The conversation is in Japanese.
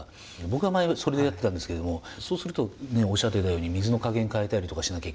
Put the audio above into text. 僕は前それでやってたんですけどもそうするとおっしゃっていたように水の加減変えたりとかしなきゃいけない。